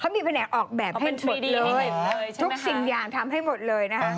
เขามีแหมดออกแบบให้หมดเลยทุกสิ่งอย่างทำให้หมดเลย